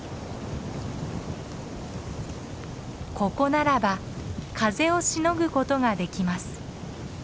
ここならば風をしのぐことができます。